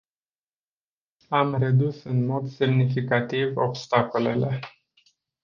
Am redus în mod semnificativ obstacolele.